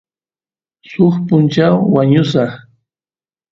suk punchaw wañusaq